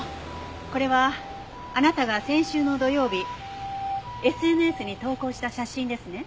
これはあなたが先週の土曜日ＳＮＳに投稿した写真ですね？